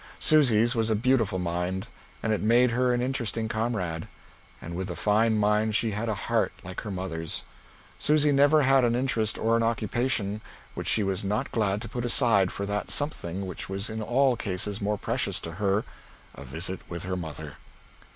Susy's was a beautiful mind, and it made her an interesting comrade. And with the fine mind she had a heart like her mother's. Susy never had an interest or an occupation which she was not glad to put aside for that something which was in all cases more precious to her a visit with her mother.